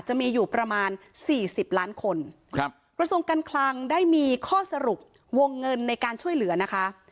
จะมีอยู่ประมาณสี่สิบล้านคนครับกระทรวงการคลังได้มีข้อสรุปวงเงินในการช่วยเหลือนะคะ